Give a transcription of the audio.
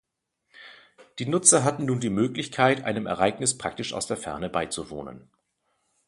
Die Nutzer hatten nun die Möglichkeit, einem Ereignis praktisch aus der Ferne beizuwohnen.